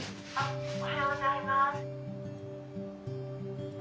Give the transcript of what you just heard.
「おはようございます」。